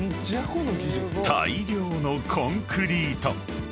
この技術」［大量のコンクリート］